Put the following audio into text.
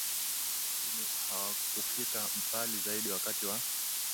zilizojulikana katika mazingira yao lakini hawakufika mbali zaidi Wakati wa